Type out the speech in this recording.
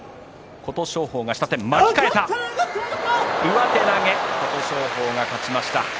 上手投げ琴勝峰が勝ちました。